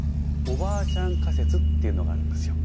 「おばあちゃん仮説」っていうのがあるんですよ。